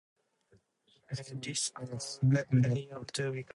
He was survived by a son and a daughter.